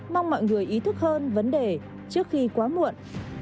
mong mọi người ý thức hơn vấn đề trước khi quá muộn